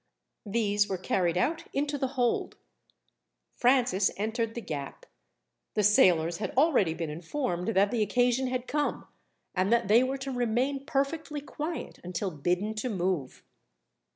These were carried out into the hold. Francis entered the gap. The sailors had already been informed that the occasion had come, and that they were to remain perfectly quiet until bidden to move.